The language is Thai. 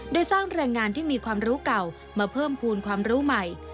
โดยสร้างแรงงานที่มีความรู้เก่ามาเพิ่มภูมิความรู้ใหม่